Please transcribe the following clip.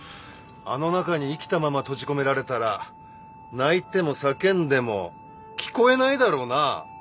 あの中に生きたまま閉じ込められたら泣いても叫んでも聞こえないだろうな。